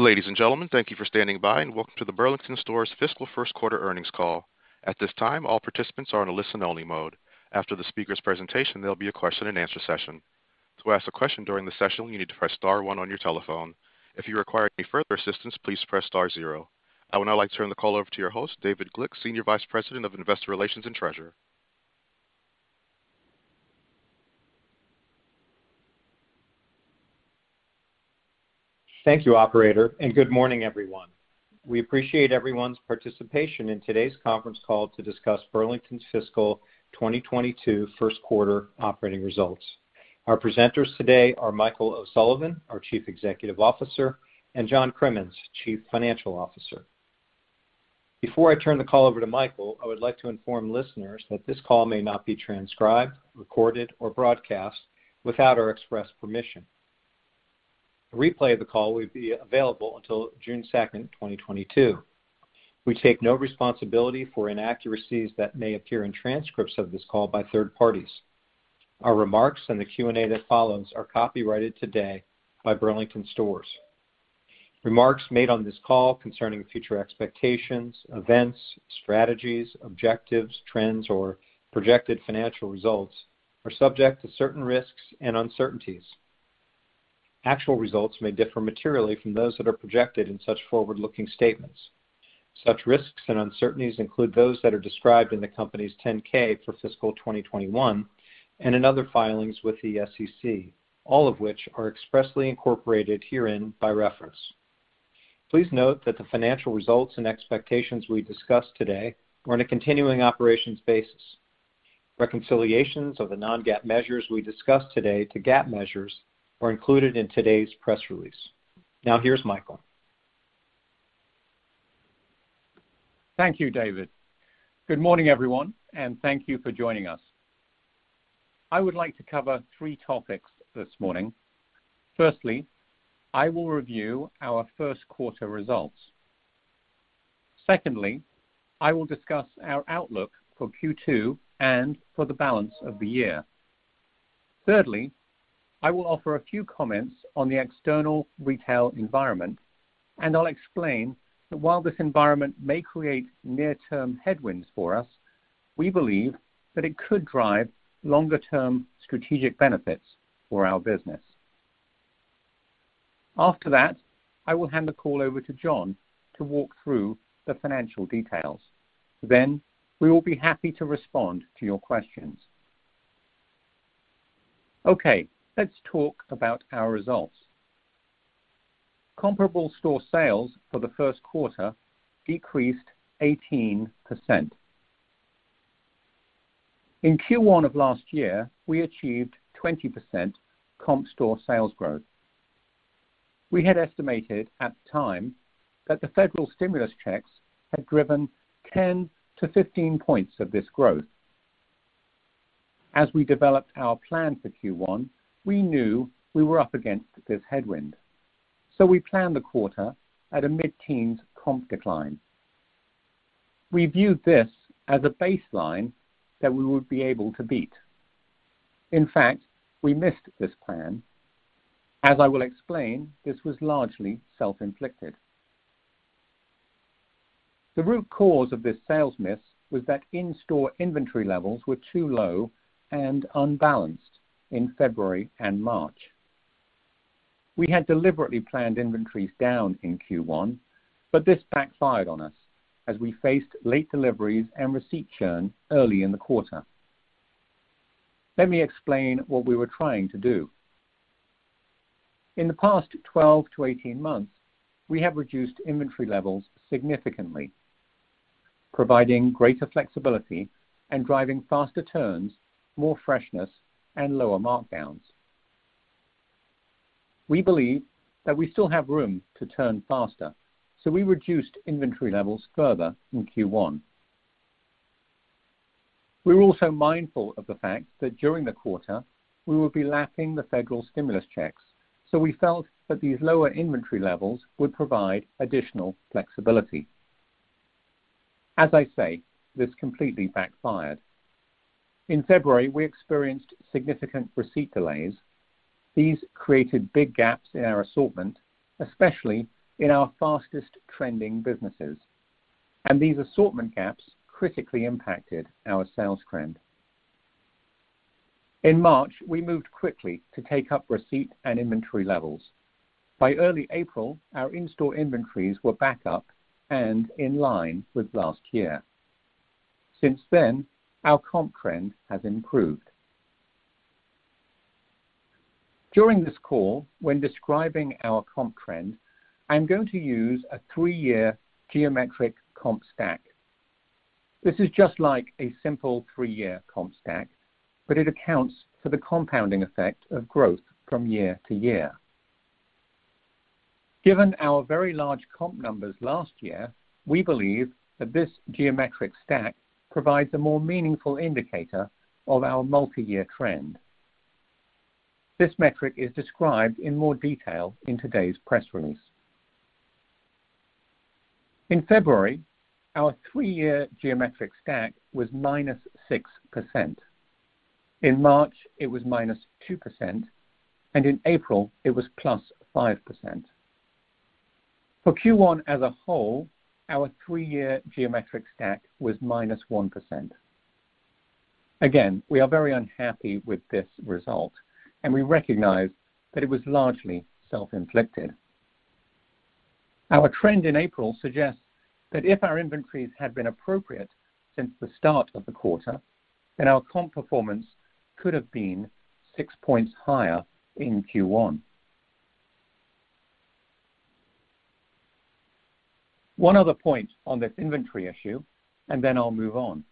Ladies and gentlemen, thank you for standing by, and welcome to the Burlington Stores fiscal first quarter earnings call. At this time, all participants are in a listen-only mode. After the speaker's presentation, there'll be a question and answer session. To ask a question during the session, you need to press star one on your telephone. If you require any further assistance, please press star zero. I would now like to turn the call over to your host, David Glick, Senior Vice President of Investor Relations and Treasurer. Thank you, operator, and good morning, everyone. We appreciate everyone's participation in today's conference call to discuss Burlington's fiscal 2022 first quarter operating results. Our presenters today are Michael O'Sullivan, our Chief Executive Officer, and John Crimmins, Chief Financial Officer. Before I turn the call over to Michael, I would like to inform listeners that this call may not be transcribed, recorded, or broadcast without our express permission. A replay of the call will be available until June 2, 2022. We take no responsibility for inaccuracies that may appear in transcripts of this call by third parties. Our remarks and the Q&A that follows are copyrighted today by Burlington Stores. Remarks made on this call concerning future expectations, events, strategies, objectives, trends, or projected financial results are subject to certain risks and uncertainties. Actual results may differ materially from those that are projected in such forward-looking statements. Such risks and uncertainties include those that are described in the company's 10-K for fiscal 2021 and in other filings with the SEC, all of which are expressly incorporated herein by reference. Please note that the financial results and expectations we discuss today are on a continuing operations basis. Reconciliations of the non-GAAP measures we discuss today to GAAP measures are included in today's press release. Now here's Michael. Thank you, David. Good morning, everyone, and thank you for joining us. I would like to cover three topics this morning. Firstly, I will review our first quarter results. Secondly, I will discuss our outlook for Q2 and for the balance of the year. Thirdly, I will offer a few comments on the external retail environment, and I'll explain that while this environment may create near-term headwinds for us, we believe that it could drive longer-term strategic benefits for our business. After that, I will hand the call over to John to walk through the financial details. Then we will be happy to respond to your questions. Okay, let's talk about our results. Comparable store sales for the first quarter decreased 18%. In Q1 of last year, we achieved 20% comparable store sales growth. We had estimated at the time that the federal stimulus checks had driven 10-15 points of this growth. As we developed our plan for Q1, we knew we were up against this headwind, so we planned the quarter at a mid-teens comp decline. We viewed this as a baseline that we would be able to beat. In fact, we missed this plan. As I will explain, this was largely self-inflicted. The root cause of this sales miss was that in-store inventory levels were too low and unbalanced in February and March. We had deliberately planned inventories down in Q1, but this backfired on us as we faced late deliveries and receipt churn early in the quarter. Let me explain what we were trying to do. In the past 12-18 months, we have reduced inventory levels significantly, providing greater flexibility and driving faster turns, more freshness, and lower markdowns. We believe that we still have room to turn faster, so we reduced inventory levels further in Q1. We were also mindful of the fact that during the quarter we would be lacking the federal stimulus checks, so we felt that these lower inventory levels would provide additional flexibility. As I say, this completely backfired. In February, we experienced significant receipt delays. These created big gaps in our assortment, especially in our fastest-trending businesses, and these assortment gaps critically impacted our sales trend. In March, we moved quickly to take up receipt and inventory levels. By early April, our in-store inventories were back up and in line with last year. Since then, our comp trend has improved. During this call, when describing our comp trend, I'm going to use a three-year geometric comp stack. This is just like a simple three-year comp stack, but it accounts for the compounding effect of growth from year to year. Given our very large comp numbers last year, we believe that this geometric stack provides a more meaningful indicator of our multi-year trend. This metric is described in more detail in today's press release. In February, our three-year geometric comp stack was -6%. In March, it was -2%, and in April, it was +5%. For Q1 as a whole, our three-year geometric comp stack was -1%. Again, we are very unhappy with this result, and we recognize that it was largely self-inflicted. Our trend in April suggests that if our inventories had been appropriate since the start of the quarter, then our comp performance could have been 6 points higher in Q1. One other point on this inventory issue, and then I'll move on.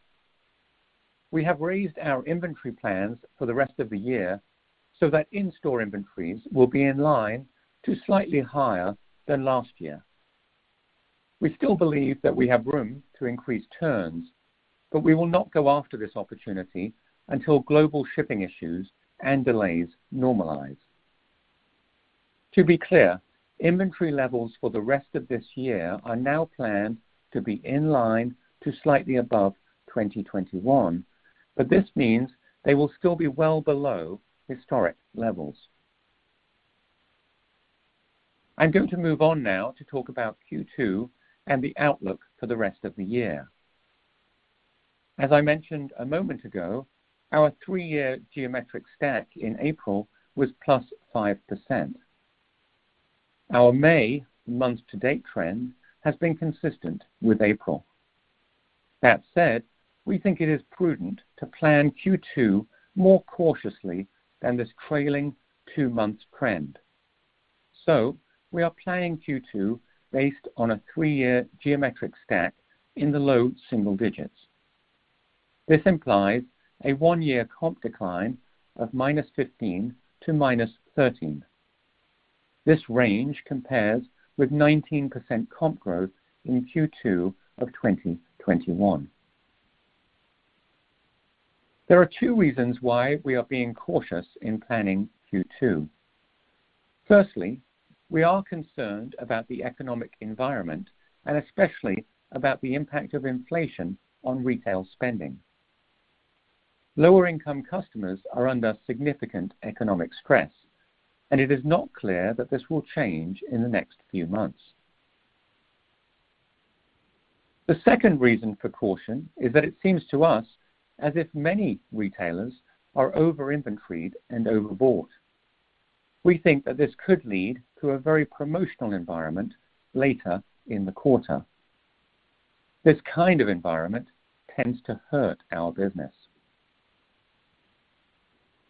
We have raised our inventory plans for the rest of the year so that in-store inventories will be in line to slightly higher than last year. We still believe that we have room to increase turns, but we will not go after this opportunity until global shipping issues and delays normalize. To be clear, inventory levels for the rest of this year are now planned to be in line to slightly above 2021, but this means they will still be well below historic levels. I'm going to move on now to talk about Q2 and the outlook for the rest of the year. As I mentioned a moment ago, our three-year geometric stack in April was +5%. Our May month-to-date trend has been consistent with April. That said, we think it is prudent to plan Q2 more cautiously than this trailing two months trend. We are planning Q2 based on a three-year geometric stack in the low single digits. This implies a one-year comp decline of -15% to -13%. This range compares with 19% comp growth in Q2 of 2021. There are two reasons why we are being cautious in planning Q2. Firstly, we are concerned about the economic environment and especially about the impact of inflation on retail spending. Lower-income customers are under significant economic stress, and it is not clear that this will change in the next few months. The second reason for caution is that it seems to us as if many retailers are over-inventoried and overbought. We think that this could lead to a very promotional environment later in the quarter. This kind of environment tends to hurt our business.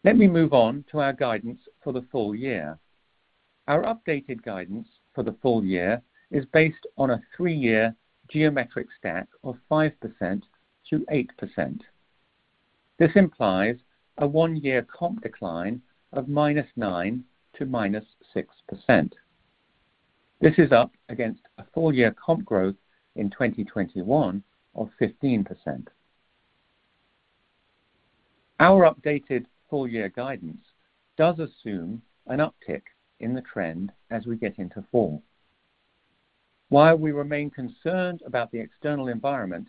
Let me move on to our guidance for the full year. Our updated guidance for the full year is based on a three-year geometric comp stack of 5%-8%. This implies a one-year comp decline of -9% to -6%. This is up against a full-year comp growth in 2021 of 15%. Our updated full-year guidance does assume an uptick in the trend as we get into fall. While we remain concerned about the external environment,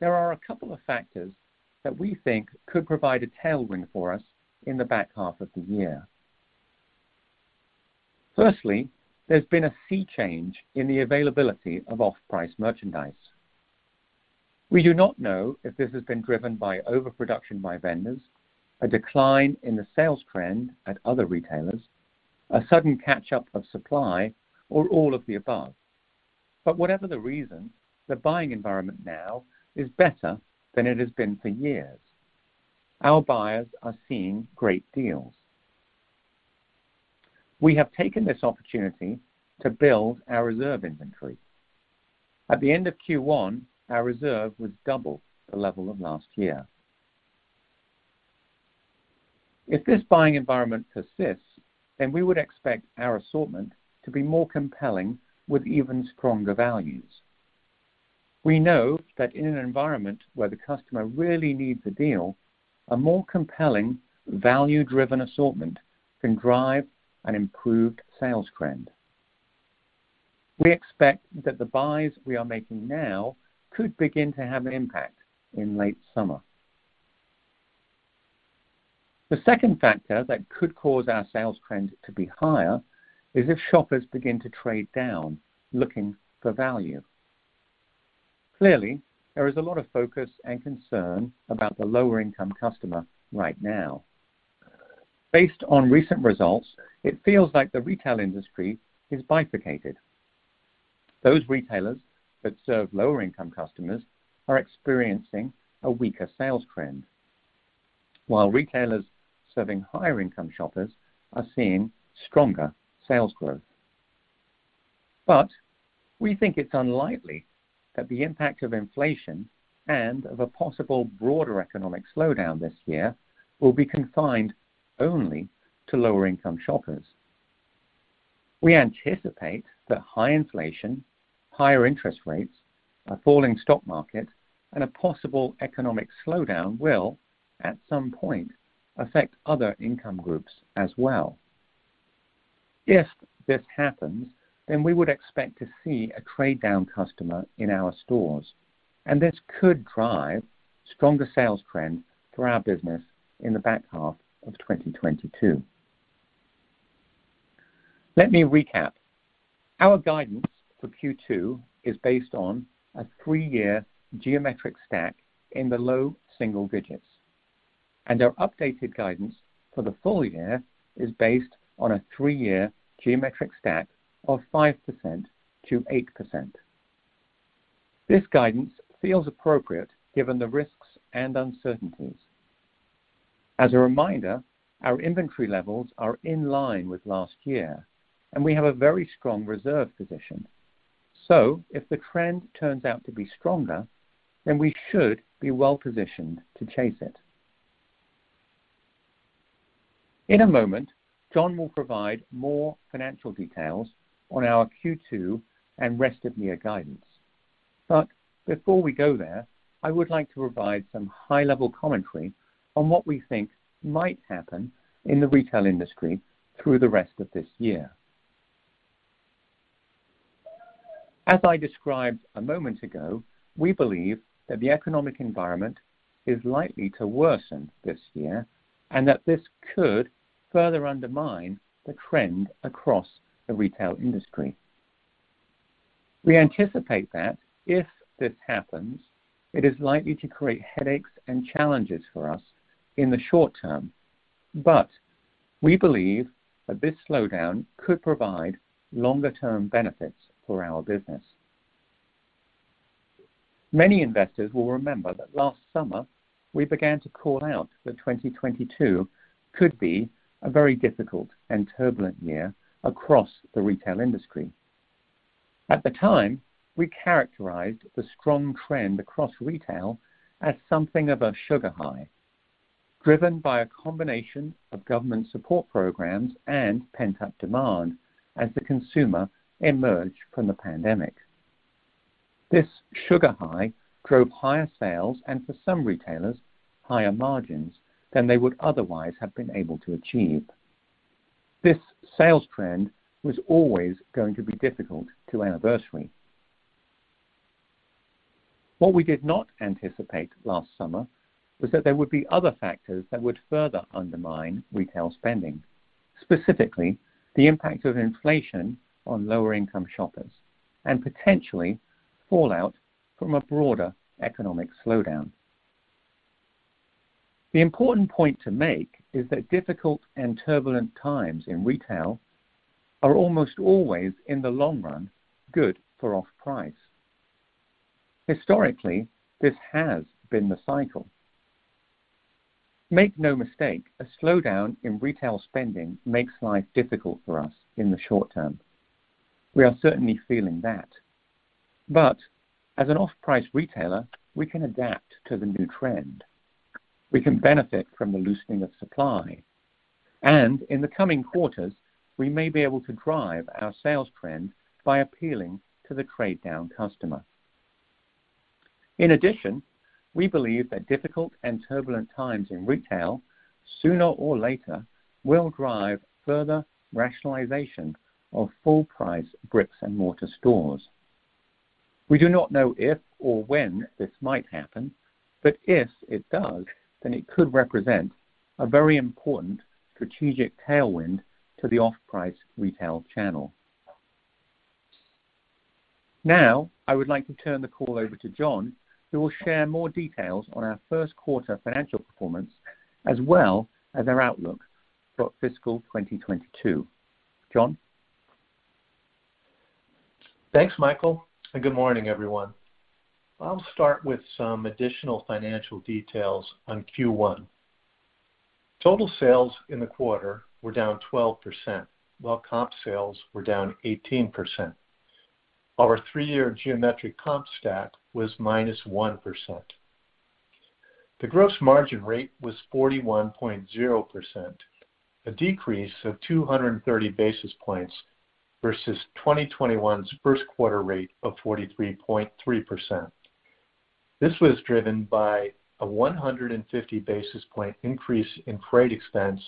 there are a couple of factors that we think could provide a tailwind for us in the back half of the year. Firstly, there's been a sea change in the availability of off-price merchandise. We do not know if this has been driven by overproduction by vendors, a decline in the sales trend at other retailers, a sudden catch-up of supply, or all of the above. Whatever the reason, the buying environment now is better than it has been for years. Our buyers are seeing great deals. We have taken this opportunity to build our reserve inventory. At the end of Q1, our reserve was double the level of last year. If this buying environment persists, then we would expect our assortment to be more compelling with even stronger values. We know that in an environment where the customer really needs a deal, a more compelling, value-driven assortment can drive an improved sales trend. We expect that the buys we are making now could begin to have an impact in late summer. The second factor that could cause our sales trend to be higher is if shoppers begin to trade down, looking for value. Clearly, there is a lot of focus and concern about the lower-income customer right now. Based on recent results, it feels like the retail industry is bifurcated. Those retailers that serve lower-income customers are experiencing a weaker sales trend. While retailers serving higher-income shoppers are seeing stronger sales growth. We think it's unlikely that the impact of inflation and of a possible broader economic slowdown this year will be confined only to lower-income shoppers. We anticipate that high inflation, higher interest rates, a falling stock market, and a possible economic slowdown will, at some point, affect other income groups as well. If this happens, then we would expect to see a trade down customer in our stores, and this could drive stronger sales trends for our business in the back half of 2022. Let me recap. Our guidance for Q2 is based on a three-year geometric stack in the low single digits, and our updated guidance for the full year is based on a three-year geometric stack of 5%-8%. This guidance feels appropriate given the risks and uncertainties. As a reminder, our inventory levels are in line with last year and we have a very strong reserve position. If the trend turns out to be stronger, then we should be well-positioned to chase it. In a moment, John will provide more financial details on our Q2 and rest of year guidance. Before we go there, I would like to provide some high level commentary on what we think might happen in the retail industry through the rest of this year. As I described a moment ago, we believe that the economic environment is likely to worsen this year and that this could further undermine the trend across the retail industry. We anticipate that if this happens, it is likely to create headaches and challenges for us in the short term. We believe that this slowdown could provide longer term benefits for our business. Many investors will remember that last summer we began to call out that 2022 could be a very difficult and turbulent year across the retail industry. At the time, we characterized the strong trend across retail as something of a sugar high, driven by a combination of government support programs and pent-up demand as the consumer emerged from the pandemic. This sugar high drove higher sales and for some retailers, higher margins than they would otherwise have been able to achieve. This sales trend was always going to be difficult to anniversary. What we did not anticipate last summer was that there would be other factors that would further undermine retail spending, specifically the impact of inflation on lower income shoppers and potentially fallout from a broader economic slowdown. The important point to make is that difficult and turbulent times in retail are almost always, in the long run, good for off-price. Historically, this has been the cycle. Make no mistake, a slowdown in retail spending makes life difficult for us in the short term. We are certainly feeling that. As an off-price retailer, we can adapt to the new trend. We can benefit from the loosening of supply, and in the coming quarters we may be able to drive our sales trend by appealing to the trade down customer. In addition, we believe that difficult and turbulent times in retail, sooner or later, will drive further rationalization of full price brick and mortar stores. We do not know if or when this might happen, but if it does, then it could represent a very important strategic tailwind to the off-price retail channel. Now, I would like to turn the call over to John, who will share more details on our first quarter financial performance as well as our outlook for fiscal 2022. John? Thanks, Michael, and good morning, everyone. I'll start with some additional financial details on Q1. Total sales in the quarter were down 12%, while comp sales were down 18%. Our three-year geometric comp stack was -1%. The gross margin rate was 41.0%, a decrease of 230 basis points versus 2021's first quarter rate of 43.3%. This was driven by a 150 basis point increase in freight expense,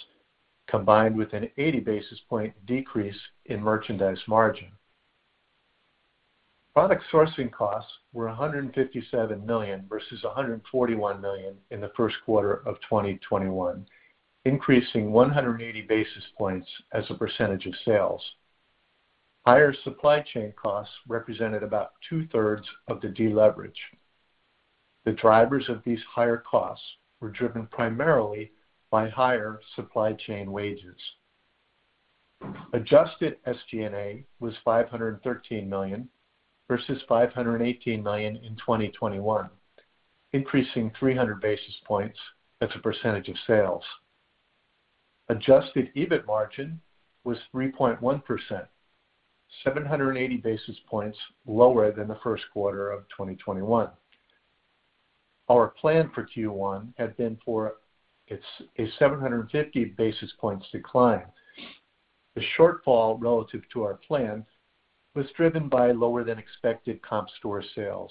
combined with an 80 basis point decrease in merchandise margin. Product sourcing costs were $157 million versus $141 million in the first quarter of 2021, increasing 180 basis points as a percentage of sales. Higher supply chain costs represented about two-thirds of the deleverage. The drivers of these higher costs were driven primarily by higher supply chain wages. Adjusted SG&A was $513 million versus $518 million in 2021, increasing 300 basis points as a percentage of sales. Adjusted EBIT margin was 3.1%, 780 basis points lower than the first quarter of 2021. Our plan for Q1 had been for a 750 basis points decline. The shortfall relative to our plan was driven by lower than expected Comparable store sales.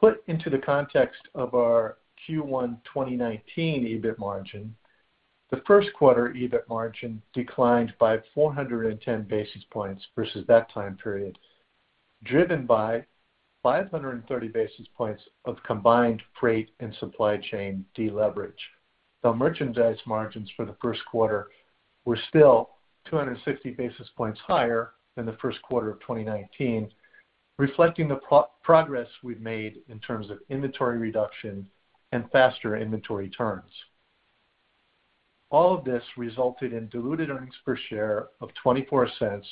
Put into the context of our Q1 2019 EBIT margin, the first quarter EBIT margin declined by 410 basis points versus that time period, driven by 530 basis points of combined freight and supply chain deleverage. The merchandise margins for the first quarter were still 250 basis points higher than the first quarter of 2019, reflecting the progress we've made in terms of inventory reduction and faster inventory turns. All of this resulted in diluted earnings per share of $0.24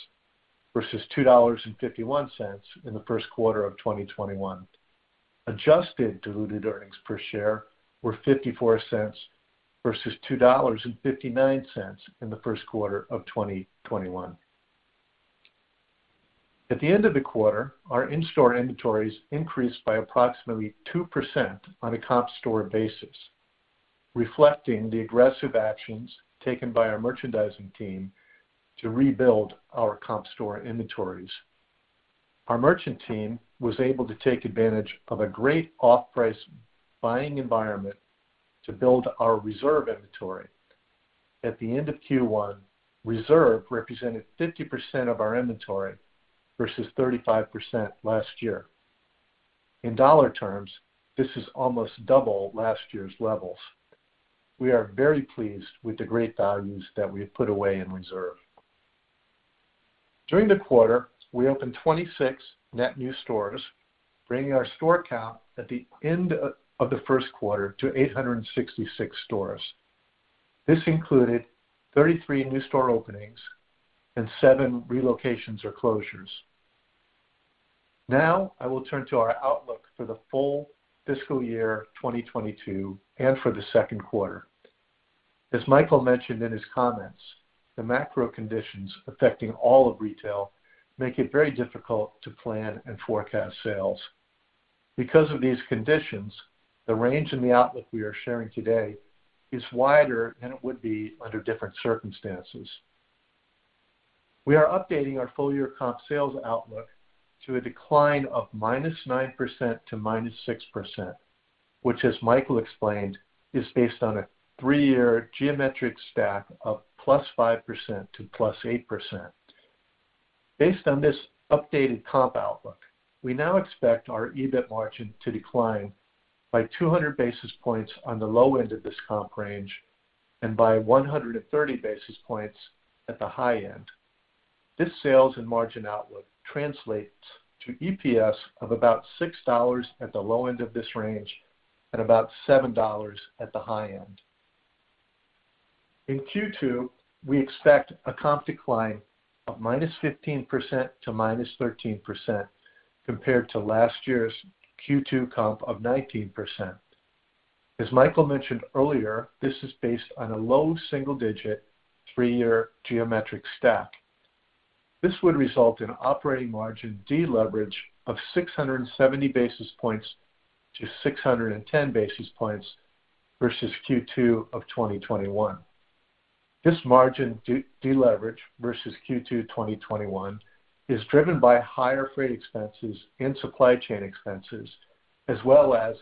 versus $2.51 in the first quarter of 2021. Adjusted diluted earnings per share were $0.54 versus $2.59 in the first quarter of 2021. At the end of the quarter, our in-store inventories increased by approximately 2% on a comp store basis, reflecting the aggressive actions taken by our merchandising team to rebuild our comp store inventories. Our merchant team was able to take advantage of a great off-price buying environment to build our reserve inventory. At the end of Q1, reserve represented 50% of our inventory versus 35% last year. In dollar terms, this is almost double last year's levels. We are very pleased with the great values that we have put away in reserve. During the quarter, we opened 26 net new stores, bringing our store count at the end of the first quarter to 866 stores. This included 33 new store openings and 7 relocations or closures. Now, I will turn to our outlook for the full fiscal year 2022 and for the second quarter. As Michael mentioned in his comments, the macro conditions affecting all of retail make it very difficult to plan and forecast sales. Because of these conditions, the range in the outlook we are sharing today is wider than it would be under different circumstances. We are updating our full-year comp sales outlook to a decline of -9% to -6%, which, as Michael explained, is based on a three-year geometric stack of +5% to +8%. Based on this updated comp outlook, we now expect our EBIT margin to decline by 200 basis points on the low end of this comp range and by 130 basis points at the high end. This sales and margin outlook translates to EPS of about $6 at the low end of this range and about $7 at the high end. In Q2, we expect a comp decline of -15% to -13% compared to last year's Q2 comp of 19%. As Michael mentioned earlier, this is based on a low single-digit three-year geometric stack. This would result in operating margin deleverage of 670-610 basis points versus Q2 of 2021. This margin deleverage versus Q2 2021 is driven by higher freight expenses and supply chain expenses, as well as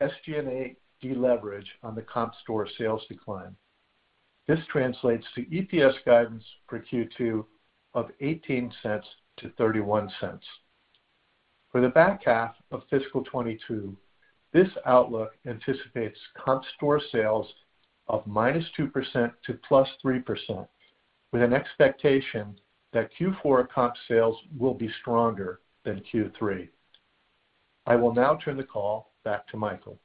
SG&A deleverage on the comparable store sales decline. This translates to EPS guidance for Q2 of $0.18-$0.31. For the back half of fiscal 2022, this outlook anticipates comparable store sales of -2% to +3% with an expectation that Q4 comp sales will be stronger than Q3. I will now turn the call back to Michael.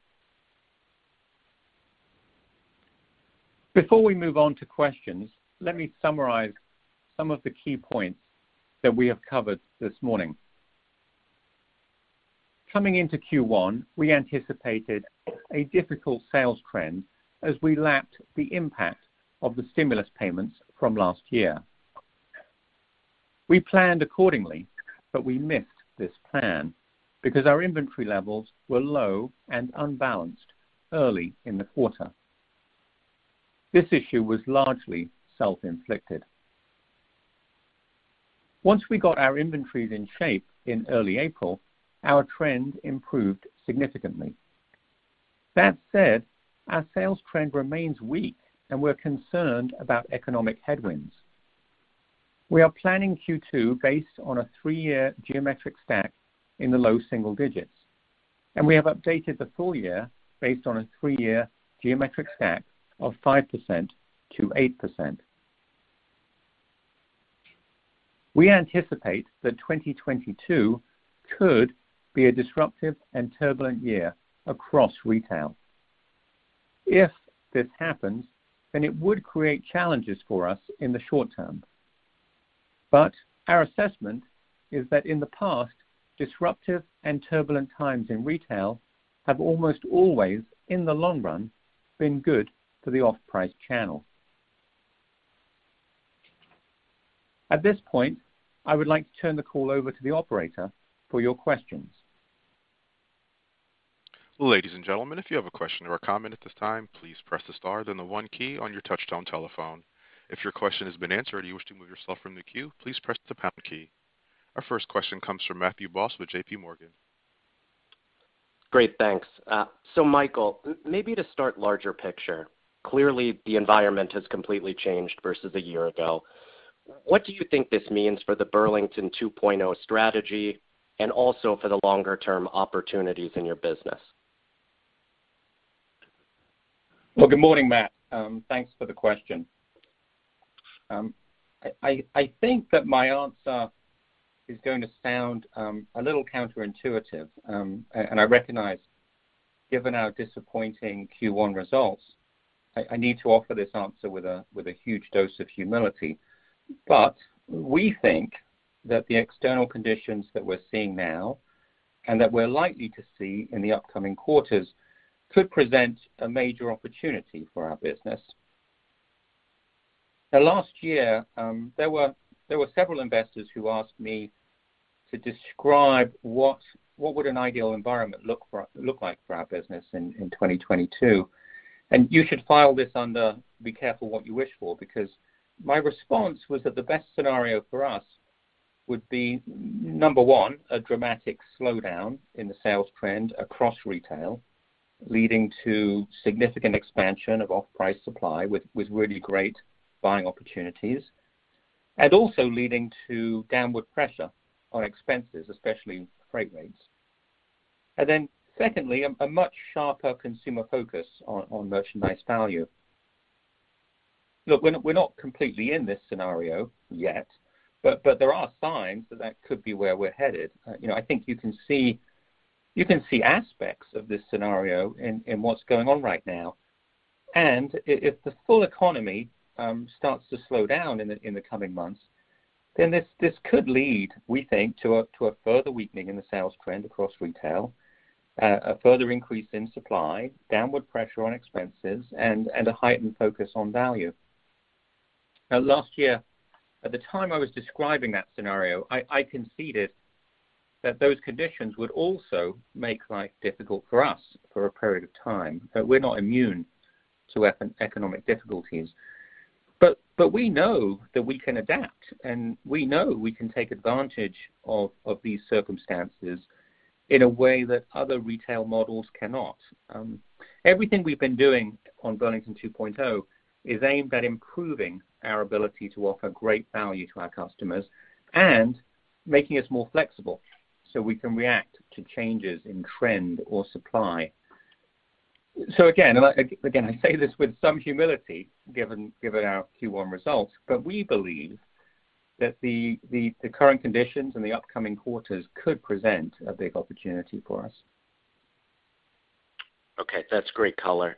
Before we move on to questions, let me summarize some of the key points that we have covered this morning. Coming into Q1, we anticipated a difficult sales trend as we lapped the impact of the stimulus payments from last year. We planned accordingly, but we missed this plan because our inventory levels were low and unbalanced early in the quarter. This issue was largely self-inflicted. Once we got our inventories in shape in early April, our trend improved significantly. That said, our sales trend remains weak, and we're concerned about economic headwinds. We are planning Q2 based on a three-year geometric comp stack in the low single digits, and we have updated the full year based on a three-year geometric comp stack of 5%-8%. We anticipate that 2022 could be a disruptive and turbulent year across retail. If this happens, then it would create challenges for us in the short term. Our assessment is that in the past, disruptive and turbulent times in retail have almost always, in the long run, been good for the off-price channel. At this point, I would like to turn the call over to the operator for your questions. Ladies and gentlemen, if you have a question or a comment at this time, please press the star, then the one key on your touchtone telephone. If your question has been answered and you wish to move yourself from the queue, please press the pound key. Our first question comes from Matthew Boss with JPMorgan. Great, thanks. Michael, maybe to start big picture, clearly the environment has completely changed versus a year ago. What do you think this means for the Burlington 2.0 strategy and also for the longer term opportunities in your business? Well, good morning, Matt. Thanks for the question. I think that my answer is going to sound a little counter-intuitive, and I recognize, given our disappointing Q1 results, I need to offer this answer with a huge dose of humility. We think that the external conditions that we're seeing now, and that we're likely to see in the upcoming quarters, could present a major opportunity for our business. Now last year, there were several investors who asked me to describe what would an ideal environment look like for our business in 2022. You should file this under be careful what you wish for, because my response was that the best scenario for us would be number one, a dramatic slowdown in the sales trend across retail, leading to significant expansion of off-price supply with really great buying opportunities, and also leading to downward pressure on expenses, especially freight rates. Secondly, a much sharper consumer focus on merchandise value. Look, we're not completely in this scenario yet, but there are signs that could be where we're headed. You know, I think you can see aspects of this scenario in what's going on right now. If the full economy starts to slow down in the coming months, then this could lead, we think, to a further weakening in the sales trend across retail, a further increase in supply, downward pressure on expenses, and a heightened focus on value. Now, last year, at the time I was describing that scenario, I conceded that those conditions would also make life difficult for us for a period of time, that we're not immune to economic difficulties. We know that we can adapt, and we know we can take advantage of these circumstances in a way that other retail models cannot. Everything we've been doing on Burlington 2.0 is aimed at improving our ability to offer great value to our customers and making us more flexible so we can react to changes in trend or supply. Again, I say this with some humility, given our Q1 results, but we believe that the current conditions in the upcoming quarters could present a big opportunity for us. Okay. That's great color.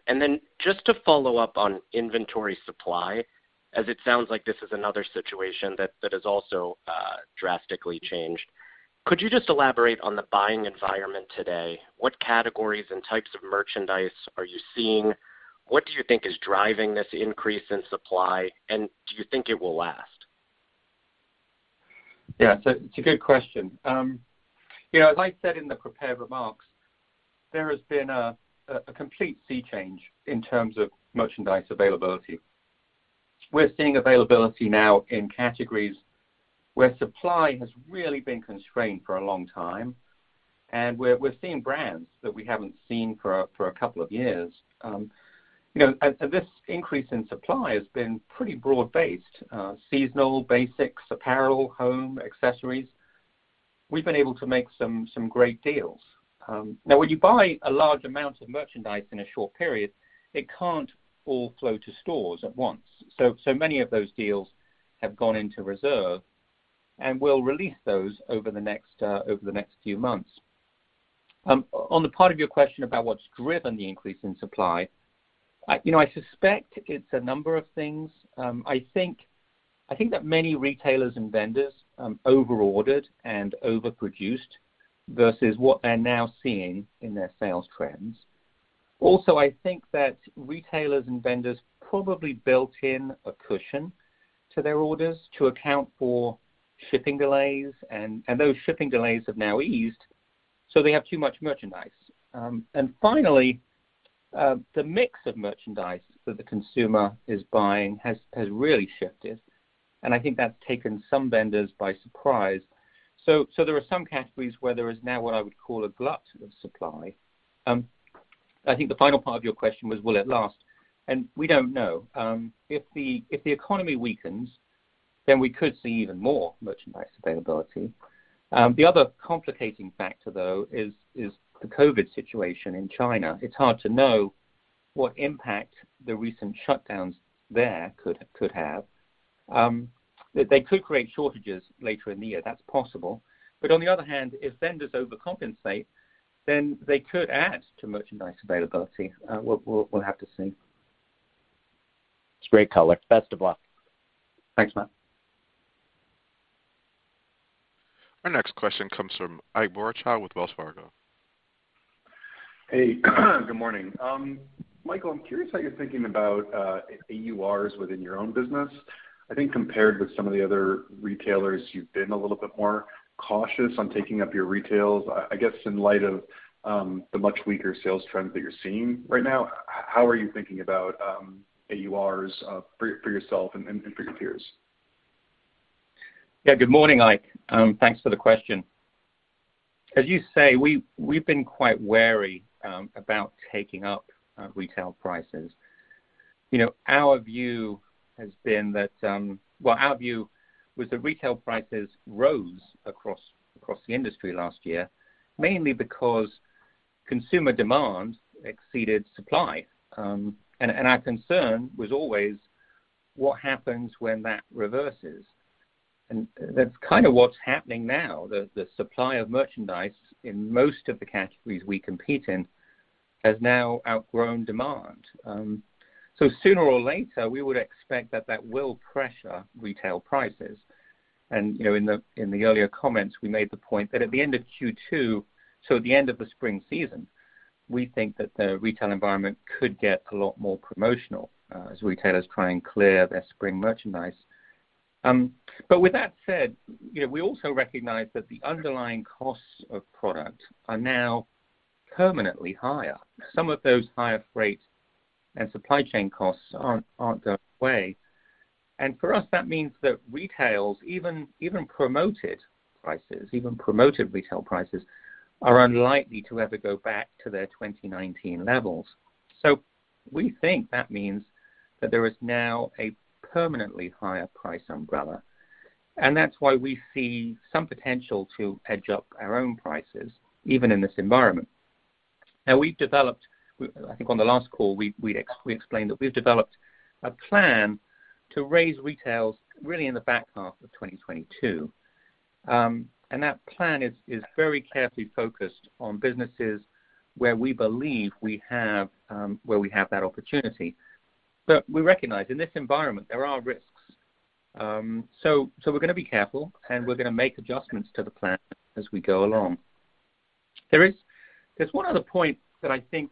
Just to follow up on inventory supply, as it sounds like this is another situation that has also drastically changed. Could you just elaborate on the buying environment today? What categories and types of merchandise are you seeing? What do you think is driving this increase in supply, and do you think it will last? Yeah. It's a good question. You know, as I said in the prepared remarks, there has been a complete sea change in terms of merchandise availability. We're seeing availability now in categories where supply has really been constrained for a long time, and we're seeing brands that we haven't seen for a couple of years. You know, this increase in supply has been pretty broad-based, seasonal, basics, apparel, Home, Accessories. We've been able to make some great deals. Now when you buy a large amount of merchandise in a short period, it can't all flow to stores at once. Many of those deals have gone into reserve, and we'll release those over the next few months. On the part of your question about what's driven the increase in supply, you know, I suspect it's a number of things. I think that many retailers and vendors over ordered and overproduced versus what they're now seeing in their sales trends. Also, I think that retailers and vendors probably built in a cushion to their orders to account for shipping delays, and those shipping delays have now eased, so they have too much merchandise. Finally, the mix of merchandise that the consumer is buying has really shifted, and I think that's taken some vendors by surprise. So there are some categories where there is now what I would call a glut of supply. I think the final part of your question was, will it last? We don't know. If the economy weakens, then we could see even more merchandise availability. The other complicating factor, though, is the COVID situation in China. It's hard to know what impact the recent shutdowns there could have. They could create shortages later in the year. That's possible. On the other hand, if vendors overcompensate, then they could add to merchandise availability. We'll have to see. It's a great color. Best of luck. Thanks, Matt. Our next question comes from Ike Boruchow with Wells Fargo. Hey, good morning. Michael, I'm curious how you're thinking about AURs within your own business. I think compared with some of the other retailers, you've been a little bit more cautious on taking up your retails. I guess in light of the much weaker sales trends that you're seeing right now. How are you thinking about AURs for yourself and for your peers? Yeah. Good morning, Ike. Thanks for the question. As you say, we've been quite wary about taking up retail prices. You know, our view has been that. Well, our view was that retail prices rose across the industry last year, mainly because consumer demand exceeded supply. Our concern was always what happens when that reverses. That's kinda what's happening now. The supply of merchandise in most of the categories we compete in has now outgrown demand. Sooner or later, we would expect that will pressure retail prices. You know, in the earlier comments, we made the point that at the end of Q2, so at the end of the spring season, we think that the retail environment could get a lot more promotional as retailers try and clear their spring merchandise. With that said, you know, we also recognize that the underlying costs of product are now permanently higher. Some of those higher freight and supply chain costs aren't going away. For us, that means that retails, even promoted retail prices, are unlikely to ever go back to their 2019 levels. We think that means that there is now a permanently higher price umbrella, and that's why we see some potential to edge up our own prices even in this environment. Now, I think on the last call, we explained that we've developed a plan to raise retails really in the back half of 2022. That plan is very carefully focused on businesses where we have that opportunity. We recognize in this environment, there are risks. So we're gonna be careful, and we're gonna make adjustments to the plan as we go along. There's one other point that I think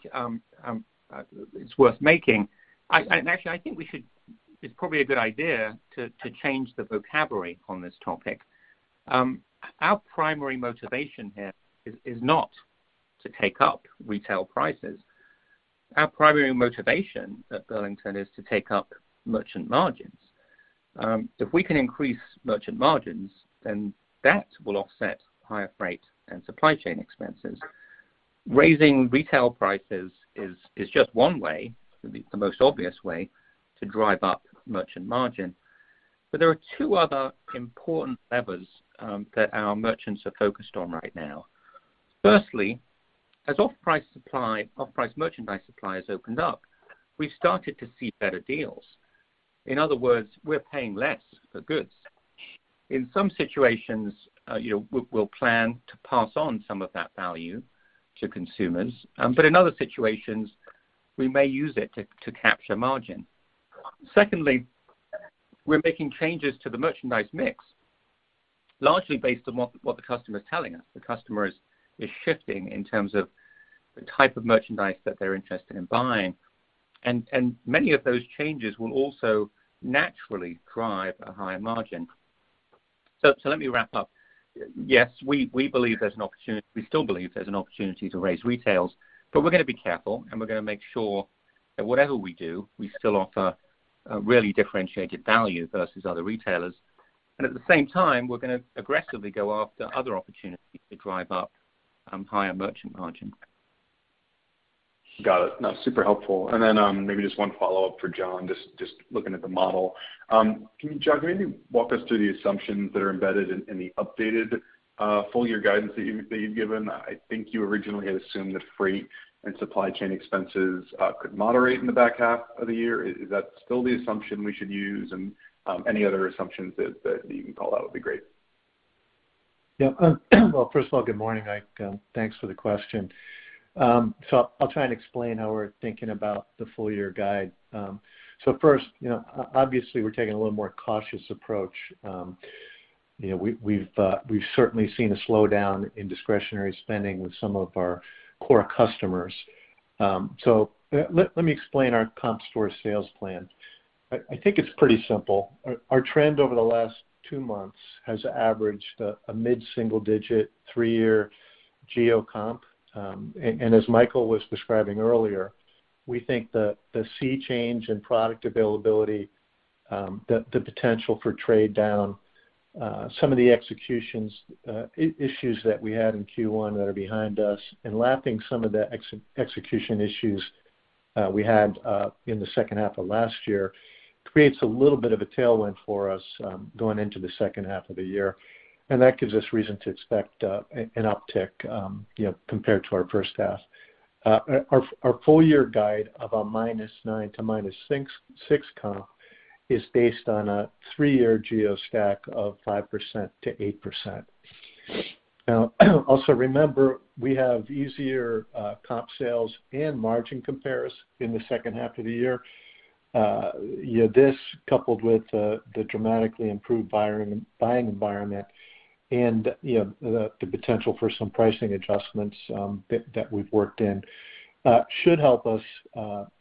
is worth making. Actually, I think we should—it's probably a good idea to change the vocabulary on this topic. Our primary motivation here is not to take up retail prices. Our primary motivation at Burlington is to take up merchant margins. If we can increase merchant margins, then that will offset higher freight and supply chain expenses. Raising retail prices is just one way, the most obvious way, to drive up merchant margin. There are two other important levers that our merchants are focused on right now. Firstly, as off-price merchandise supply has opened up, we've started to see better deals. In other words, we're paying less for goods. In some situations, you know, we'll plan to pass on some of that value to consumers, but in other situations, we may use it to capture margin. Secondly, we're making changes to the merchandise mix, largely based on what the customer is telling us. The customer is shifting in terms of the type of merchandise that they're interested in buying. Many of those changes will also naturally drive a higher margin. Let me wrap up. Yes, we believe there's an opportunity. We still believe there's an opportunity to raise retails, but we're gonna be careful, and we're gonna make sure that whatever we do, we still offer a really differentiated value versus other retailers. At the same time, we're gonna aggressively go after other opportunities to drive up higher Merchant margin. Got it. No, super helpful. Maybe just one follow-up for John, just looking at the model. John, can you maybe walk us through the assumptions that are embedded in the updated full year guidance that you've given? I think you originally had assumed that freight and supply chain expenses could moderate in the back half of the year. Is that still the assumption we should use? Any other assumptions that you can call out would be great. Well, first of all, good morning, Ike. Thanks for the question. I'll try and explain how we're thinking about the full year guide. First, you know, obviously, we're taking a little more cautious approach. You know, we've certainly seen a slowdown in discretionary spending with some of our core customers. Let me explain our comparable store sales plan. I think it's pretty simple. Our trend over the last two months has averaged a mid-single digit, three-year geo comp. As Michael was describing earlier, we think that the sea change in product availability, the potential for trade down, some of the execution issues that we had in Q1 that are behind us and lapping some of the execution issues we had in the second half of last year creates a little bit of a tailwind for us going into the second half of the year, and that gives us reason to expect an uptick, you know, compared to our first half. Our full-year guide of -9%-6% comp is based on a three-year geo stack of 5%-8%. Now, also remember, we have easier comp sales and margin compares in the second half of the year. You know, this coupled with the dramatically improved buying environment and, you know, the potential for some pricing adjustments that we've worked in should help us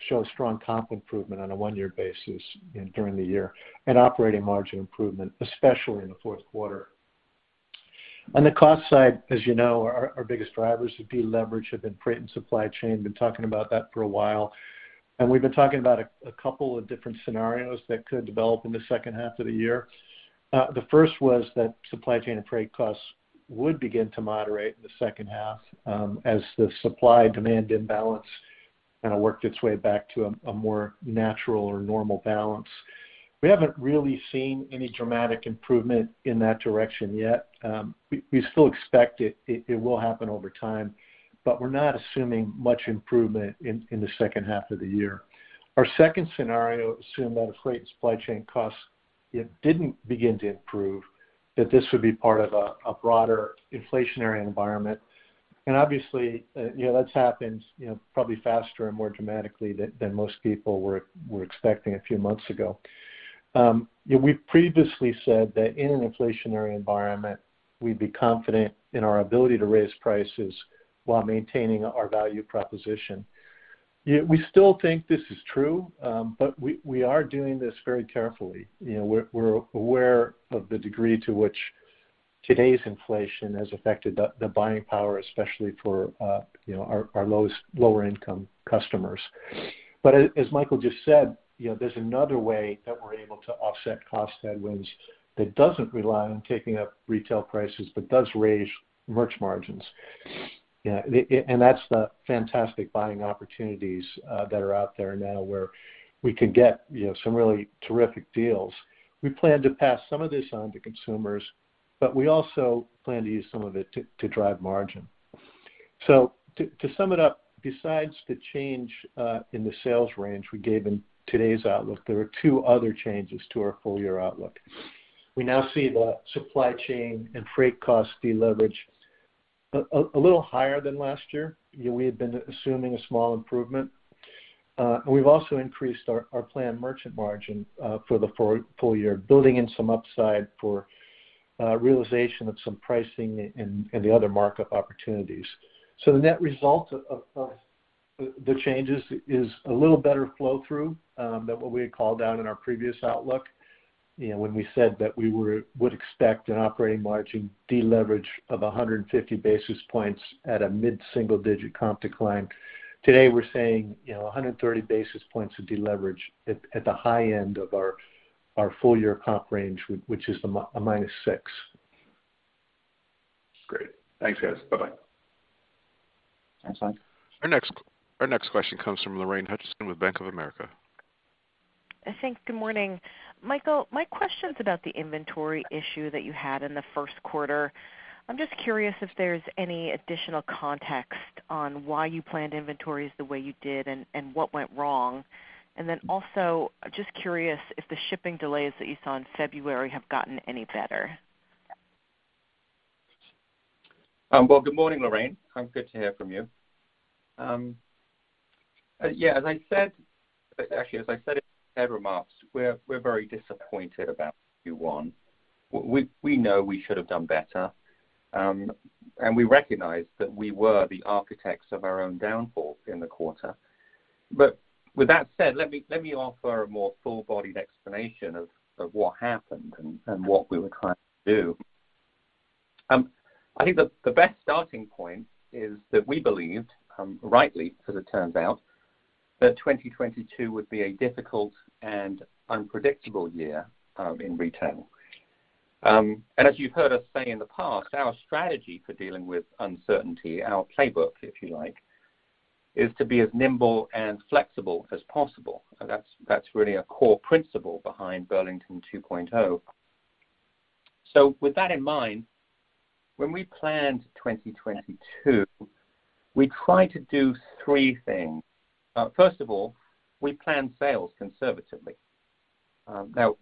show strong comp improvement on a one-year basis during the year and operating margin improvement, especially in the fourth quarter. On the cost side, as you know, our biggest drivers of deleverage have been freight and supply chain. Been talking about that for a while. We've been talking about a couple of different scenarios that could develop in the second half of the year. The first was that supply chain and freight costs would begin to moderate in the second half, as the supply-demand imbalance kinda worked its way back to a more natural or normal balance. We haven't really seen any dramatic improvement in that direction yet. We still expect it will happen over time, but we're not assuming much improvement in the second half of the year. Our second scenario assumed that if freight and supply chain costs didn't begin to improve, that this would be part of a broader inflationary environment. Obviously, you know, that's happened, you know, probably faster and more dramatically than most people were expecting a few months ago. You know, we've previously said that in an inflationary environment, we'd be confident in our ability to raise prices while maintaining our value proposition. You know, we still think this is true, but we are doing this very carefully. You know, we're aware of the degree to which today's inflation has affected the buying power, especially for, you know, our lower income customers. As Michael just said, you know, there's another way that we're able to offset cost headwinds that doesn't rely on taking up retail prices but does raise merch margins. You know, and that's the fantastic buying opportunities that are out there now, where we can get, you know, some really terrific deals. We plan to pass some of this on to consumers, but we also plan to use some of it to drive margin. To sum it up, besides the change in the sales range we gave in today's outlook, there are two other changes to our full year outlook. We now see the supply chain and freight cost deleverage a little higher than last year. You know, we had been assuming a small improvement. We've also increased our planned merchant margin for the full year, building in some upside for realization of some pricing and the other markup opportunities. The net result of the changes is a little better flow through than what we had called out in our previous outlook, you know, when we said that we would expect an operating margin deleverage of 150 basis points at a mid-single-digit comp decline. Today, we're saying, you know, 130 basis points of deleverage at the high end of our full year comp range, which is -6%. Great. Thanks, guys. Bye-bye. Thanks, Ike. Our next question comes from Lorraine Hutchinson with Bank of America. Thanks. Good morning. Michael, my question's about the inventory issue that you had in the first quarter. I'm just curious if there's any additional context on why you planned inventories the way you did and what went wrong. Just curious if the shipping delays that you saw in February have gotten any better. Well, good morning, Lorraine. It's good to hear from you. Yeah, actually, as I said in the prepared remarks, we're very disappointed about Q1. We know we should have done better, and we recognize that we were the architects of our own downfall in the quarter. With that said, let me offer a more full-bodied explanation of what happened and what we were trying to do. I think the best starting point is that we believed, rightly as it turns out, that 2022 would be a difficult and unpredictable year, in retail. As you've heard us say in the past, our strategy for dealing with uncertainty, our playbook, if you like, is to be as nimble and flexible as possible. That's really a core principle behind Burlington 2.0. With that in mind, when we planned 2022, we tried to do three things. First of all, we planned sales conservatively. Now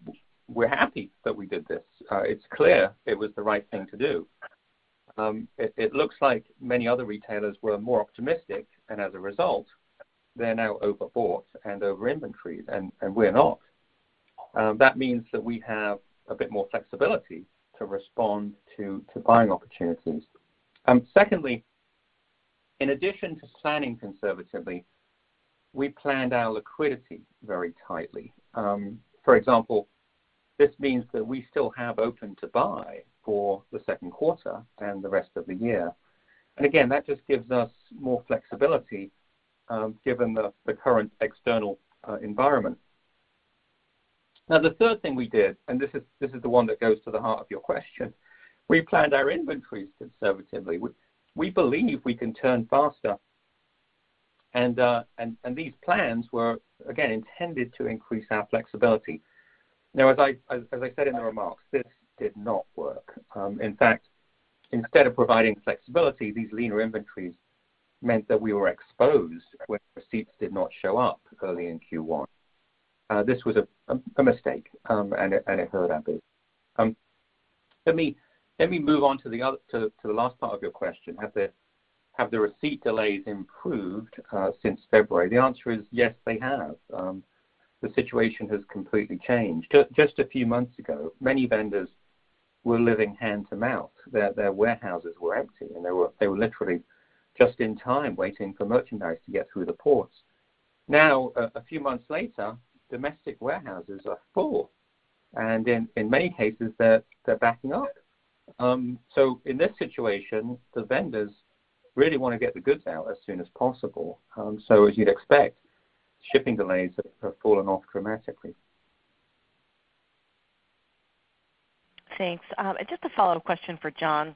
we're happy that we did this. It's clear it was the right thing to do. It looks like many other retailers were more optimistic, and as a result, they're now overbought and over inventoried, and we're not. That means that we have a bit more flexibility to respond to buying opportunities. Secondly, in addition to planning conservatively, we planned our liquidity very tightly. For example, this means that we still have Open-to-Buy for the second quarter and the rest of the year. Again, that just gives us more flexibility, given the current external environment. Now, the third thing we did, and this is the one that goes to the heart of your question, we planned our inventories conservatively. We believe we can turn faster, and these plans were, again, intended to increase our flexibility. Now, as I said in the remarks, this did not work. In fact, instead of providing flexibility, these leaner inventories meant that we were exposed when receipts did not show up early in Q1. This was a mistake, and it hurt badly. Let me move on to the last part of your question. Have the receipt delays improved since February? The answer is yes, they have. The situation has completely changed. Just a few months ago, many vendors were living hand to mouth. Their warehouses were empty, and they were literally just in time waiting for merchandise to get through the ports. Now, a few months later, domestic warehouses are full, and in many cases they're backing up. In this situation, the vendors really wanna get the goods out as soon as possible. As you'd expect, shipping delays have fallen off dramatically. Thanks. Just a follow-up question for John.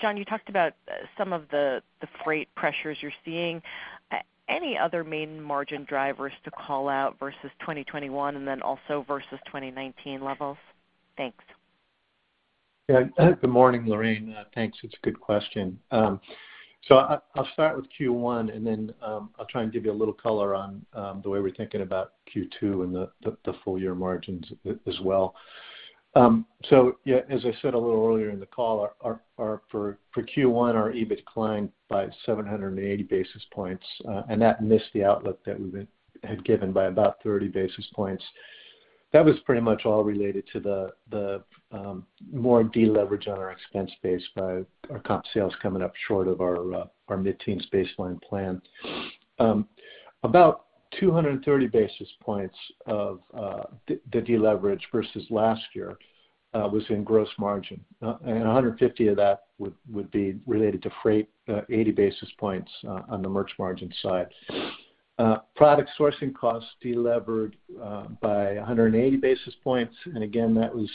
John, you talked about some of the freight pressures you're seeing. Any other main margin drivers to call out versus 2021 and then also versus 2019 levels? Thanks. Yeah. Good morning, Lorraine. Thanks. It's a good question. I'll start with Q1 and then I'll try and give you a little color on the way we're thinking about Q2 and the full year margins as well. Yeah, as I said a little earlier in the call, for Q1, our EBIT declined by 780 basis points, and that missed the outlook that we had given by about 30 basis points. That was pretty much all related to the more deleverage on our expense base by our comp sales coming up short of our mid-teens baseline plan. About 230 basis points of the deleverage versus last year was in gross margin. 150 of that would be related to freight, 80 basis points, on the merch margin side. Product sourcing costs deleveraged by 180 basis points, and again, that was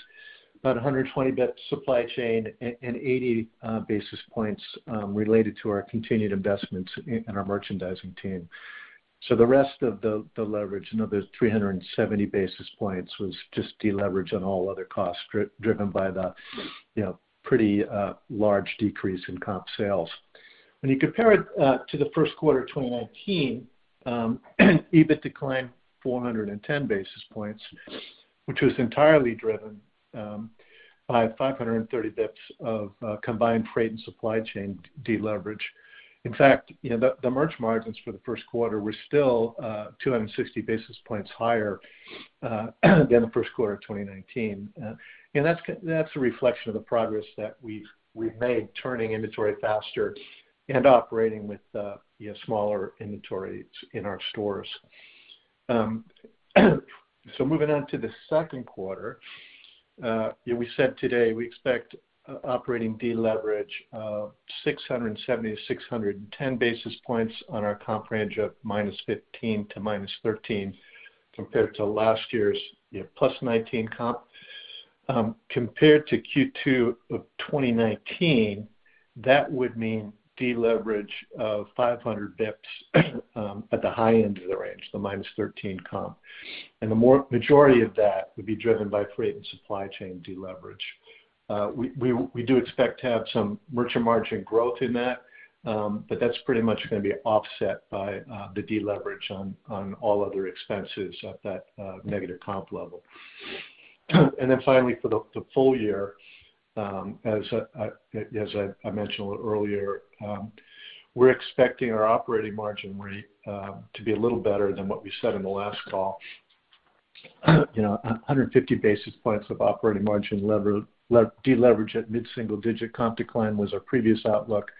about 120 basis points supply chain and 80 basis points related to our continued investments in our merchandising team. The rest of the leverage, another 370 basis points was just deleverage on all other costs driven by the, you know, pretty large decrease in comp sales. When you compare it to the first quarter of 2019, EBIT declined 410 basis points, which was entirely driven by 530 basis points of combined freight and supply chain deleverage. In fact, you know, the merch margins for the first quarter were still 260 basis points higher than the first quarter of 2019. That's a reflection of the progress that we've made turning inventory faster and operating with you know, smaller inventories in our stores. Moving on to the second quarter, we said today we expect operating deleverage of 670-610 basis points on our comp range of -15%-13% compared to last year's you know, +19% comp. Compared to Q2 of 2019, that would mean deleverage of 500 basis points at the high end of the range, the -13% comp. The majority of that would be driven by freight and supply chain deleverage. We do expect to have some merchant margin growth in that, but that's pretty much gonna be offset by the deleverage on all other expenses at that negative comp level. Finally, for the full year, as I mentioned a little earlier, we're expecting our operating margin rate to be a little better than what we said in the last call. You know, 150 basis points of operating margin deleverage at mid-single digit comp decline was our previous outlook.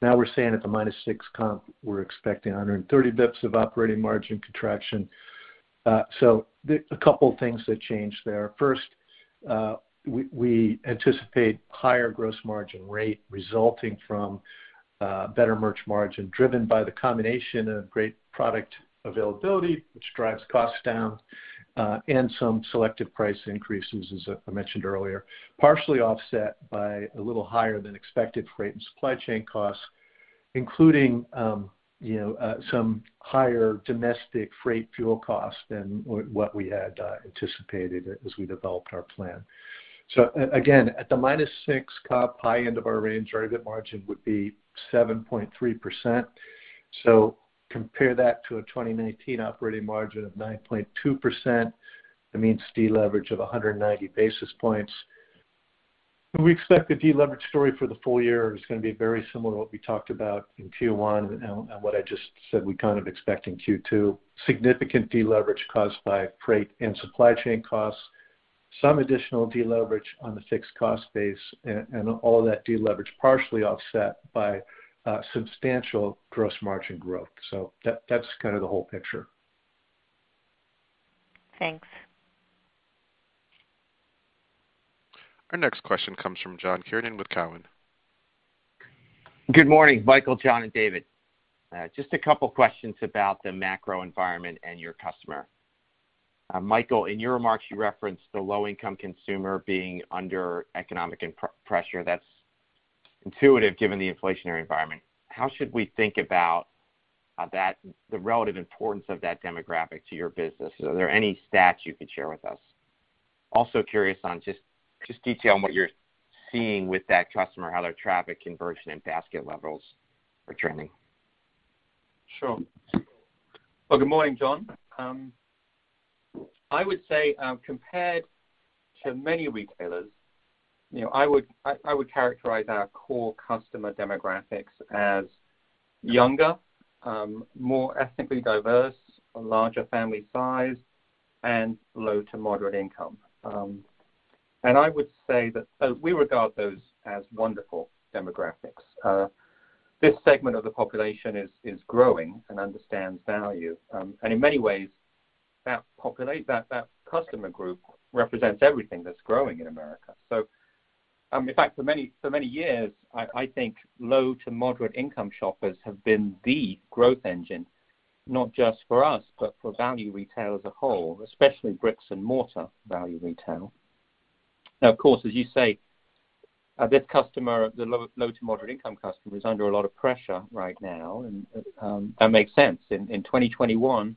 Now we're saying at the -6% comp, we're expecting 130 basis points of operating margin contraction. A couple things that changed there. First, we anticipate higher gross margin rate resulting from better merch margin driven by the combination of great product availability, which drives costs down, and some selective price increases, as I mentioned earlier, partially offset by a little higher than expected freight and supply chain costs, including you know some higher domestic freight fuel costs than what we had anticipated as we developed our plan. Again, at the -6 comp high end of our range, our EBIT margin would be 7.3%. Compare that to a 2019 operating margin of 9.2%. That means deleverage of 190 basis points. We expect the deleverage story for the full year is gonna be very similar to what we talked about in Q1 and what I just said we're kind of expect in Q2, significant deleverage caused by freight and supply chain costs, some additional deleverage on the fixed cost base and all that deleverage partially offset by substantial gross margin growth. That, that's kind of the whole picture. Thanks. Our next question comes from John Kernan with Cowen. Good morning, Michael, John, and David. Just a couple questions about the macro environment and your customer. Michael, in your remarks, you referenced the low-income consumer being under economic pressure. That's intuitive given the inflationary environment. How should we think about that, the relative importance of that demographic to your business? Are there any stats you could share with us? Also curious on just detail on what you're seeing with that customer, how their traffic conversion and basket levels are trending. Sure. Well, good morning, John. I would say, compared to many retailers, you know, I would characterize our core customer demographics as younger, more ethnically diverse, a larger family size, and low to moderate income. I would say that we regard those as wonderful demographics. This segment of the population is growing and understands value. In many ways that customer group represents everything that's growing in America. In fact, for many years, I think low to moderate income shoppers have been the growth engine, not just for us, but for value retail as a whole, especially bricks and mortar value retail. Now, of course, as you say, this customer, the low to moderate income customer is under a lot of pressure right now, and that makes sense. In 2021,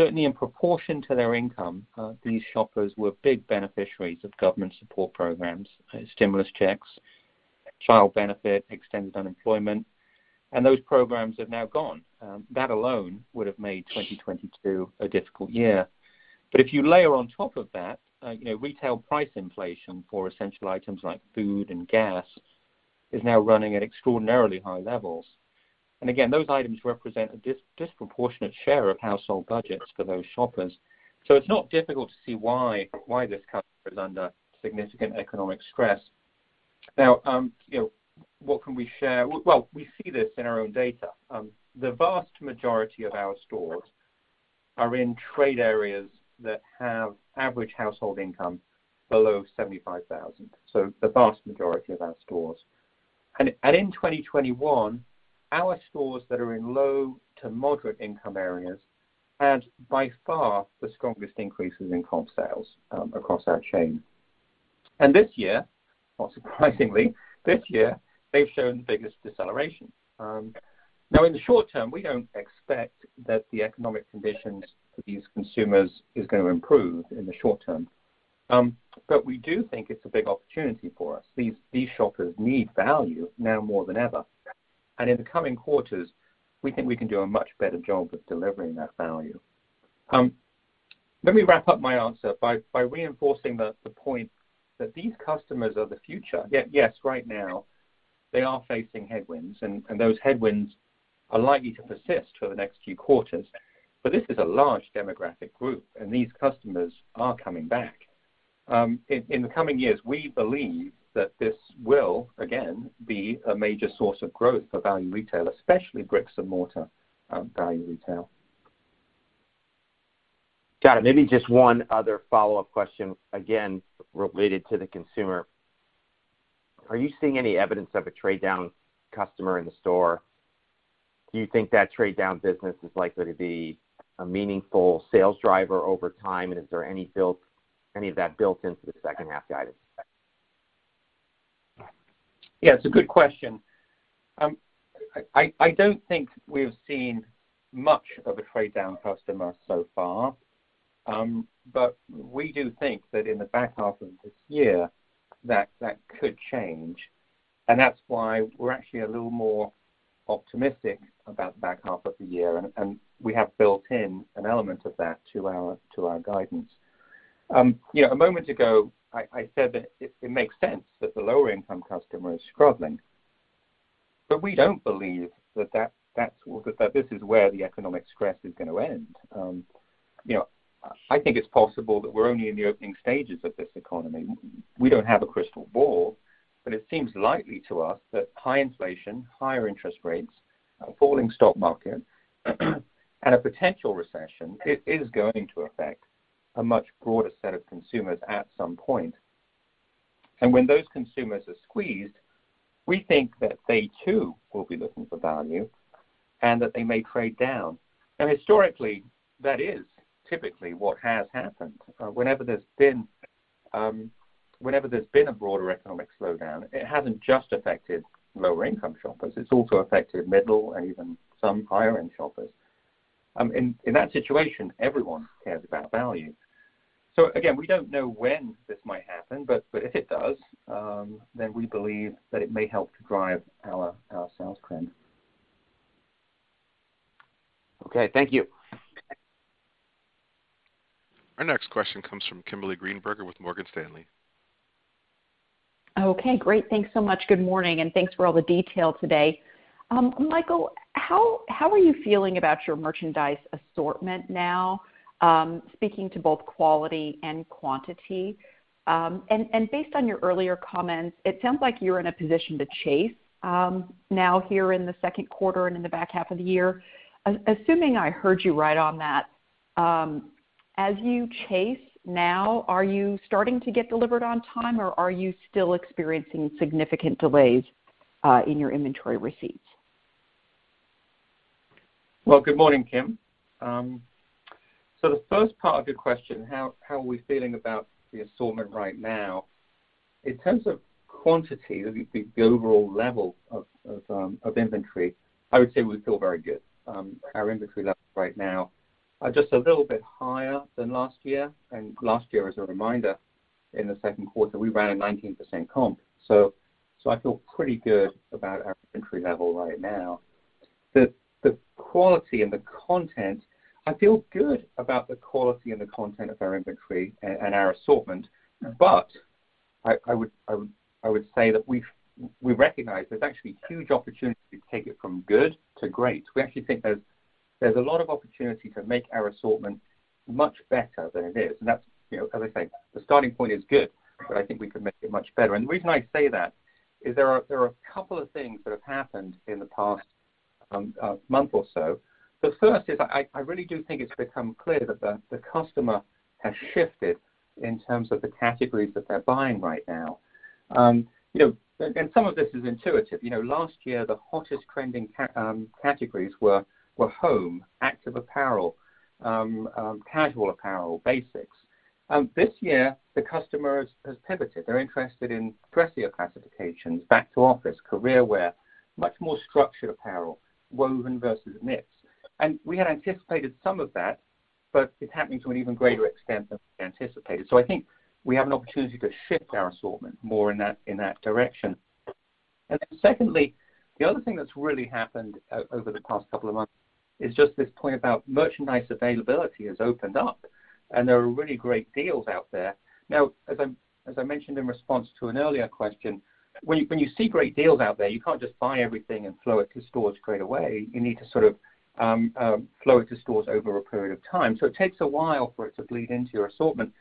certainly in proportion to their income, these shoppers were big beneficiaries of government support programs, stimulus checks, child benefit, extended unemployment, and those programs have now gone. That alone would have made 2022 a difficult year. If you layer on top of that, you know, retail price inflation for essential items like food and gas is now running at extraordinarily high levels. Again, those items represent a disproportionate share of household budgets for those shoppers. It's not difficult to see why this customer is under significant economic stress. Now, you know, what can we share? Well, we see this in our own data. The vast majority of our stores are in trade areas that have average household income below 75,000. The vast majority of our stores. In 2021, our stores that are in low to moderate income areas had by far the strongest increases in comp sales across our chain. This year, not surprisingly, they've shown the biggest deceleration. Now, in the short term, we don't expect that the economic conditions for these consumers is gonna improve in the short term. We do think it's a big opportunity for us. These shoppers need value now more than ever, and in the coming quarters, we think we can do a much better job of delivering that value. Let me wrap up my answer by reinforcing the point that these customers are the future. Yes, right now they are facing headwinds and those headwinds are likely to persist for the next few quarters. This is a large demographic group, and these customers are coming back. In the coming years, we believe that this will again be a major source of growth for value retail, especially bricks and mortar, value retail. Got it. Maybe just one other follow-up question, again, related to the consumer. Are you seeing any evidence of a trade down customer in the store? Do you think that trade down business is likely to be a meaningful sales driver over time? Is there any of that built into the second half guidance? Yeah, it's a good question. I don't think we've seen much of a trade down customer so far, but we do think that in the back half of this year could change. That's why we're actually a little more optimistic about the back half of the year. We have built in an element of that to our guidance. You know, a moment ago, I said that it makes sense that the lower income customer is struggling, but we don't believe that this is where the economic stress is gonna end. You know, I think it's possible that we're only in the opening stages of this economy. We don't have a crystal ball, but it seems likely to us that high inflation, higher interest rates, a falling stock market, and a potential recession is going to affect a much broader set of consumers at some point. When those consumers are squeezed, we think that they too will be looking for value and that they may trade down. Historically, that is typically what has happened. Whenever there's been a broader economic slowdown, it hasn't just affected lower income shoppers. It's also affected middle and even some higher end shoppers. In that situation, everyone cares about value. Again, we don't know when this might happen, but if it does, then we believe that it may help to drive our sales trend. Okay. Thank you. Our next question comes from Kimberly Greenberger with Morgan Stanley. Okay, great. Thanks so much. Good morning, and thanks for all the detail today. Michael, how are you feeling about your merchandise assortment now, speaking to both quality and quantity? Based on your earlier comments, it sounds like you're in a position to chase now here in the second quarter and in the back half of the year. Assuming I heard you right on that, as you chase now, are you starting to get delivered on time, or are you still experiencing significant delays in your inventory receipts? Well, good morning, Kim. So the first part of your question, how are we feeling about the assortment right now? In terms of quantity, the overall level of inventory, I would say we feel very good. Our inventory levels right now are just a little bit higher than last year. Last year, as a reminder. In the second quarter, we ran a 19% comp. I feel pretty good about our entry level right now. The quality and the content, I feel good about the quality and the content of our inventory and our assortment. I would say that we recognize there's actually huge opportunity to take it from good to great. We actually think there's a lot of opportunity to make our assortment much better than it is. That's, you know, as I say, the starting point is good, but I think we can make it much better. The reason I say that is there are a couple of things that have happened in the past month or so. The first is I really do think it's become clear that the customer has shifted in terms of the categories that they're buying right now. You know, some of this is intuitive. You know, last year, the hottest trending categories were Home, active apparel, casual apparel, basics. This year, the customer has pivoted. They're interested in dressier classifications, back to office, career wear, much more structured apparel, woven versus knits. We had anticipated some of that, but it's happening to an even greater extent than we anticipated. I think we have an opportunity to shift our assortment more in that direction. Then secondly, the other thing that's really happened over the past couple of months is just this point about merchandise availability has opened up, and there are really great deals out there. Now, as I mentioned in response to an earlier question, when you see great deals out there, you can't just buy everything and flow it to stores straight away. You need to sort of flow it to stores over a period of time. It takes a while for it to bleed into your assortment.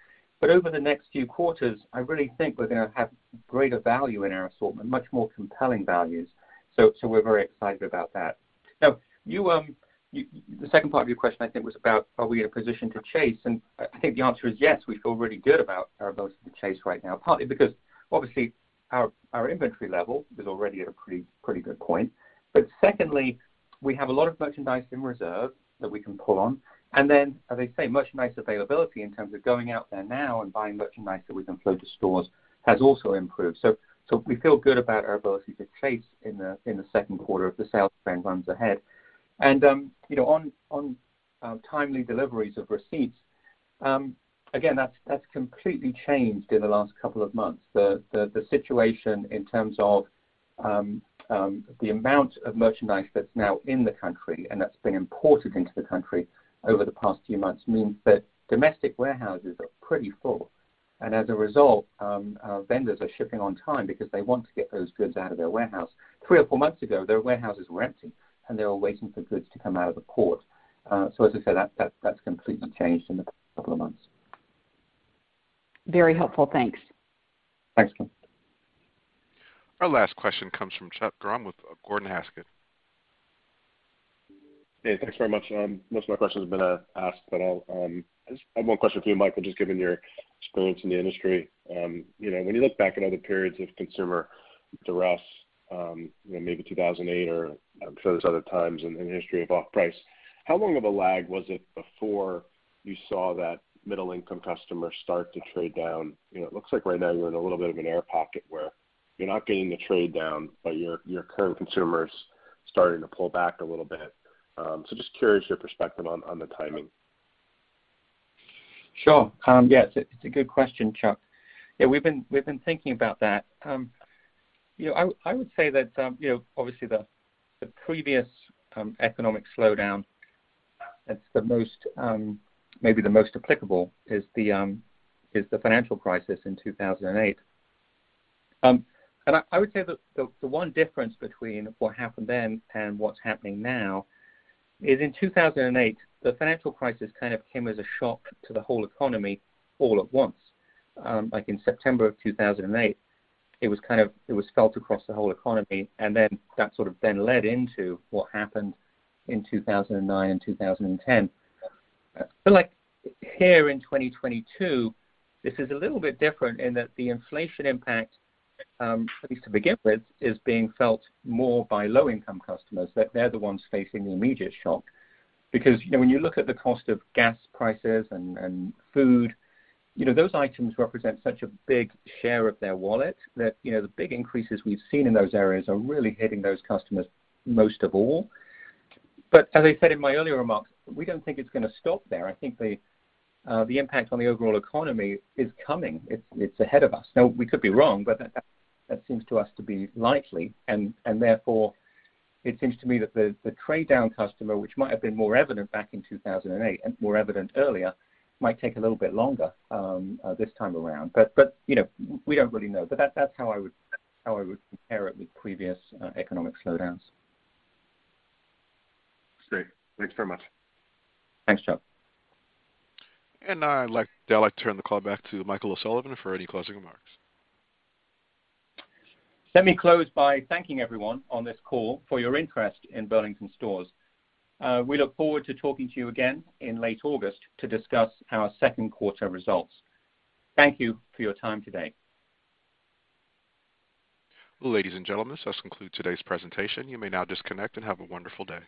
Over the next few quarters, I really think we're gonna have greater value in our assortment, much more compelling values. We're very excited about that. Now, the second part of your question, I think, was about are we in a position to chase, and I think the answer is yes. We feel really good about our ability to chase right now, partly because obviously our inventory level is already at a pretty good point. But secondly, we have a lot of merchandise in reserve that we can pull on. Then, as I say, merchandise availability in terms of going out there now and buying merchandise that we can flow to stores has also improved. So we feel good about our ability to chase in the second quarter if the sales trend runs ahead. You know, on timely deliveries of receipts, again, that's completely changed in the last couple of months. The situation in terms of the amount of merchandise that's now in the country and that's been imported into the country over the past few months means that domestic warehouses are pretty full. As a result, our vendors are shipping on time because they want to get those goods out of their warehouse. Three or four months ago, their warehouses were empty, and they were waiting for goods to come out of the port. As I said, that's completely changed in the couple of months. Very helpful. Thanks. Thanks. Our last question comes from Chuck Grom with Gordon Haskett. Hey, thanks very much. Most of my questions have been asked, but I'll, I just have one question for you, Michael, just given your experience in the industry. You know, when you look back at other periods of consumer duress, you know, maybe 2008 or I'm sure there's other times in the history of off-price, how long of a lag was it before you saw that middle-income customer start to trade down? You know, it looks like right now you're in a little bit of an air pocket where you're not getting the trade down, but your current consumer's starting to pull back a little bit. So just curious your perspective on the timing. Sure. Yeah, it's a good question, Chuck. Yeah, we've been thinking about that. You know, I would say that, you know, obviously the previous economic slowdown that's maybe the most applicable is the financial crisis in 2008. I would say that the one difference between what happened then and what's happening now is in 2008, the financial crisis kind of came as a shock to the whole economy all at once. Like in September of 2008, it was kind of, it was felt across the whole economy, and then that sort of then led into what happened in 2009 and 2010. Like here in 2022, this is a little bit different in that the inflation impact, at least to begin with, is being felt more by low-income customers. That they're the ones facing the immediate shock because, you know, when you look at the cost of gas prices and food, you know, those items represent such a big share of their wallet that, you know, the big increases we've seen in those areas are really hitting those customers most of all. As I said in my earlier remarks, we don't think it's gonna stop there. I think the impact on the overall economy is coming. It's ahead of us. Now, we could be wrong, but that seems to us to be likely, and therefore, it seems to me that the trade-down customer, which might have been more evident back in 2008 and more evident earlier, might take a little bit longer this time around. You know, we don't really know. That's how I would compare it with previous economic slowdowns. Great. Thanks very much. Thanks, Chuck. Now I'd like to turn the call back to Michael O'Sullivan for any closing remarks. Let me close by thanking everyone on this call for your interest in Burlington Stores. We look forward to talking to you again in late August to discuss our second quarter results. Thank you for your time today. Ladies and gentlemen, this does conclude today's presentation. You may now disconnect and have a wonderful day.